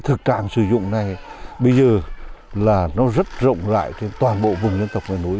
trạng sử dụng này bây giờ là nó rất rộng lại trên toàn bộ vùng dân tộc và núi